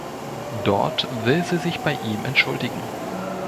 Dort will sie sich bei ihm entschuldigen.